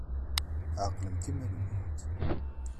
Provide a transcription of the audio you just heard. Ɛqlemt iman-nkent!